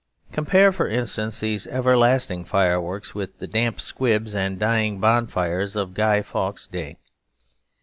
Compare, for instance, these everlasting fireworks with the damp squibs and dying bonfires of Guy Fawkes Day.